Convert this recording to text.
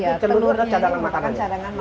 ini telurnya ini bukan cadangan makan